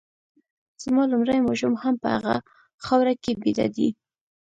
زما لومړی ماشوم هم په هغه خاوره کي بیده دی